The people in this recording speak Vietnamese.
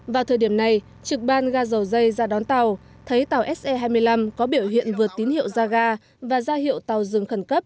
vào thời điểm này trực ban ga dầu dây ra đón tàu thấy tàu se hai mươi năm có biểu hiện vượt tín hiệu ra ga và ra hiệu tàu dừng khẩn cấp